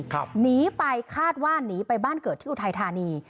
หนีไปคาดว่าหนีไปบ้านเกิดที่อุทัยธานี